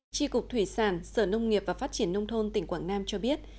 tri cục thủy sản sở nông nghiệp và phát triển nông thôn tỉnh quảng nam cho biết